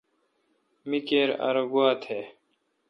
می کیر ار گوا تھ۔